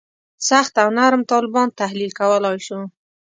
سخت او نرم طالبان تحلیل کولای شو.